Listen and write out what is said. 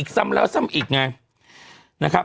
ซ้ำแล้วซ้ำอีก